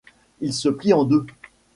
Il se plie en deux.